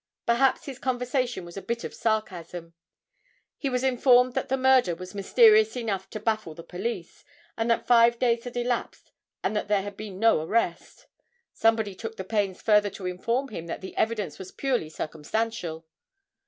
Perhaps his conversation was a bit of sarcasm. He was informed that the murder was mysterious enough to baffle the police, and that five days had elapsed and that there had been no arrest. Somebody took the pains further to inform him that the evidence was purely circumstantial.